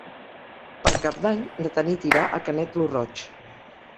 Per Cap d'Any na Tanit irà a Canet lo Roig.